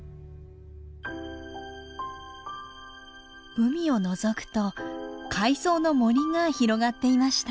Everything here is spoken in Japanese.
海をのぞくと海藻の森が広がっていました。